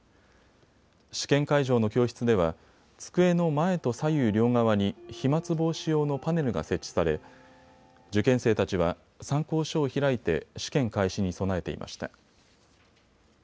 試験会場の教室では机の前と左右両側に飛まつ防止用のパネルが設置され受験生たちは参考書を開いて試験開始に備えていました。